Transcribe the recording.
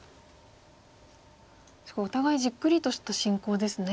すごいお互いじっくりとした進行ですね。